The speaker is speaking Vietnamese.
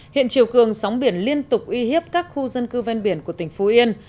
hiện chiều cường sóng biển liên tục uy hiếp các khu dân cư ven biển của tỉnh phú yên